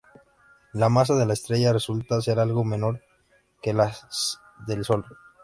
La masa de la estrella resulta ser algo menor que la del Sol.